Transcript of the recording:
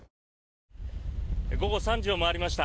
午後３時を回りました。